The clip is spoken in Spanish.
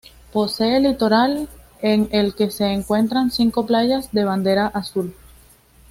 Posee litoral, en el que se encuentran cinco playas de bandera azul.